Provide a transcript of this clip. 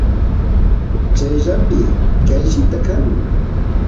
chayllapi qayllita kan